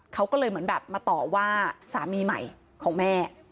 เขาก็เลยเหมือนแบบมาต่อว่าสามีใหม่ของแม่